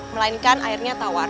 melainkan airnya tawar